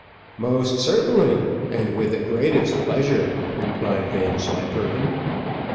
"Most certainly, and with the greatest pleasure," replied Vanslyperken.